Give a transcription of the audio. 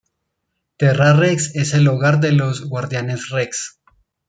Terra Rex es el hogar de los Guardianes Rex.